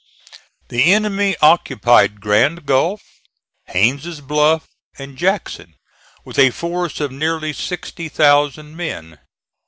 The enemy occupied Grand Gulf, Haines' Bluff and Jackson with a force of nearly sixty thousand men.